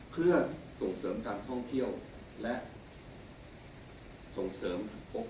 เพื่อส่งเสริมการท่องเที่ยวและส่งเสริม